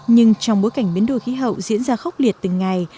nhưng trong bối cảnh biến đổi khí hậu diễn ra khốc liệt từng ngày